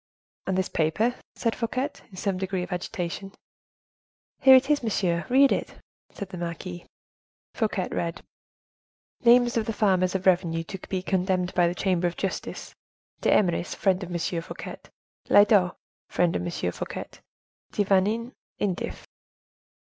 "And this paper?" said Fouquet, in some degree of agitation. "Here it is, monsieur—read it," said the marquise. Fouquet read: "Names of the farmers of revenue to be condemned by the Chamber of Justice: D'Eymeris, friend of M. F.; Lyodot, friend of M. F.; De Vanin, indif."